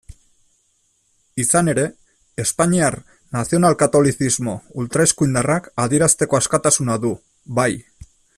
Izan ere, espainiar nazional-katolizismo ultraeskuindarrak adierazteko askatasuna du, bai.